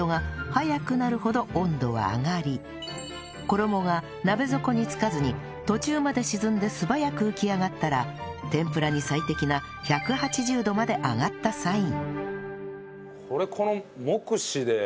速くなるほど温度は上がり衣が鍋底につかずに途中まで沈んで素早く浮き上がったら天ぷらに最適な１８０度まで上がったサイン